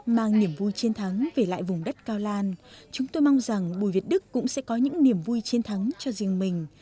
mang niềm vui chiến thắng về lại vùng đất cao lan chúng tôi mong rằng bùi việt đức cũng sẽ có những niềm vui chiến thắng cho riêng mình